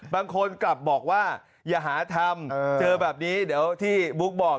บางคนกลับบอกว่าอย่าหาทำเจอแบบนี้เดี๋ยวที่บุ๊กบอก